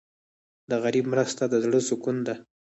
د غریب مرسته د زړه سکون ده.